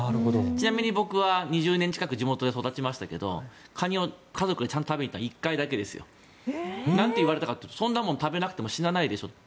ちなみに僕は２０年近く地元で育ちましたがカニをちゃんと家族で食べに行ったの１回くらいですよ。なんて言われたかというとそんなもの食べなくても死なないでしょって。